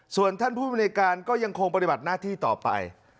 ส่วนท่านผู้บริการก็ยังคงปฏิบัติหน้าที่ต่อไป